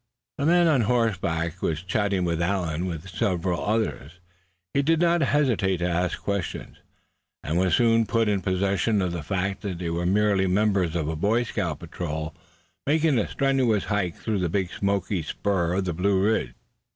The man on horseback was chatting with Allan and several others. He did not hesitate to ask questions, and was soon put in possession of the fact that they were merely the members of a Boy Scout patrol, making a strenuous hike through the Big Smoky spur of the Blue Ridge.